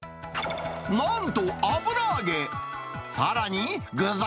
なんと油揚げ。